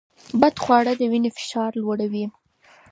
بدخواړه د وینې فشار لوړوي.